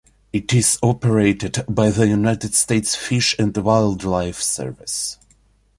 It is operated by the United States Fish and Wildlife Service.